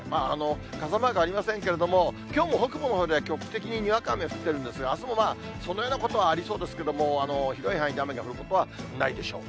傘マークありませんけれども、きょうも北部のほうでは局地的ににわか雨降ってるんですが、あすもまあ、そんなようなことはありそうですけれども、広い範囲で雨が降ることはないでしょう。